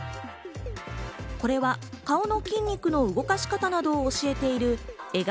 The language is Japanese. これは顔の筋肉の動かし方などを教えている笑顔